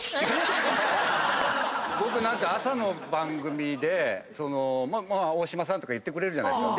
僕何か朝の番組で「大嶋さん」とか言ってくれるじゃないですか。